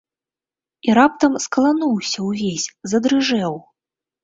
І раптам скалануўся ўвесь, задрыжэў.